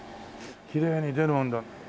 きれいに出るもんだ。